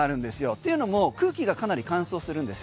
っていうのも空気がかなり乾燥するんです。